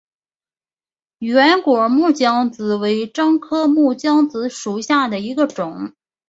圆果木姜子为樟科木姜子属下的一个种。